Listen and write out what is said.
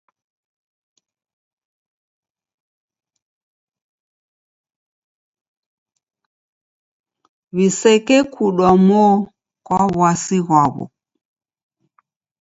W'iseke kudwa mo kwa w'asi ghwaw'o.